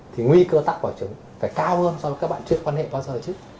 thì nguy cơ tắc quả trứng phải cao hơn so với các bạn trước quan hệ bao giờ trước